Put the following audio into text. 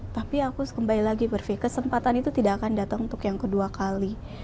tapi aku kembali lagi berpikir kesempatan itu tidak akan datang untuk yang kedua kali